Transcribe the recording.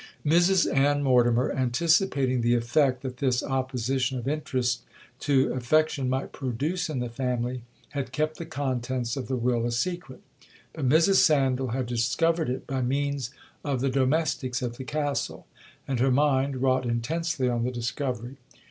'Mrs Ann Mortimer, anticipating the effect that this opposition of interest to affection might produce in the family, had kept the contents of the will a secret,—but Mrs Sandal had discovered it by means of the domestics at the Castle, and her mind wrought intensely on the discovery.